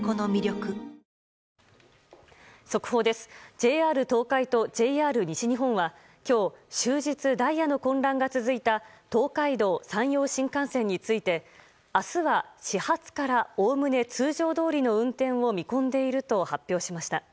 ＪＲ東海とＪＲ西日本は今日、終日ダイヤの混乱が続いた東海道・山陽新幹線について明日は始発からおおむね通常どおりの運転を見込んでいると発表しました。